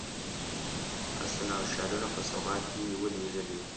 آسونه او شالونه په سوغات کې ولېږلي.